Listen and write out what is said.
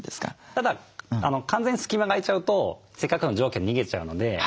ただ完全に隙間が空いちゃうとせっかくの蒸気が逃げちゃうので。